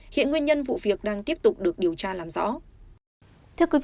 hiện nguyên nhân vụ việc đang tiếp tục được điều tra làm rõ